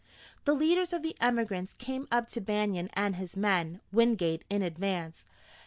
The leaders of the emigrants came up to Banion and his men, Wingate in advance.